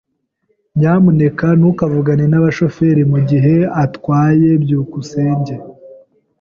Nyamuneka ntukavugane numushoferi mugihe atwaye. byukusenge